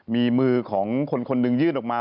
มีมือของคนคนหนึ่งยื่นออกมา